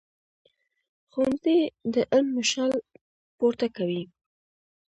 ښوونځی د علم مشال پورته کوي